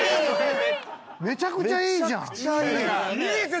めちゃくちゃいいじゃん。